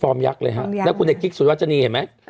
ฟอร์มยักษ์เลยฮะแล้วคุณเน็กกิ๊กสวัสดิ์วาชนีเห็นไหม